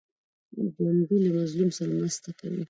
ژوندي له مظلوم سره مرسته کوي